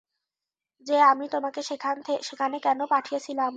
যে আমি তোমাকে সেখানে কেন পাঠিয়েছিলাম?